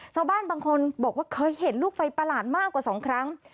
ชาวบ้านบางคนบอกว่าเคยเห็นลูกไฟประหลาดมากกว่า๒ครั้ง